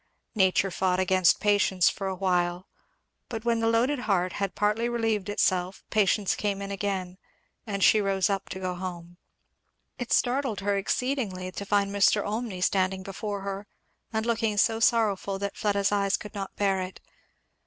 Nature fought against patience for awhile; but when the loaded heart had partly relieved itself patience came in again and she rose up to go home. It startled her exceedingly to find Mr. Olmney standing before her, and looking so sorrowful that Fleda's eyes could not bear it.